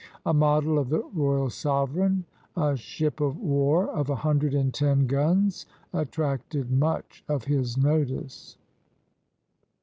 A model of the "Royal Sovereign," a ship of war of a hundred and ten guns, attracted much of his notice.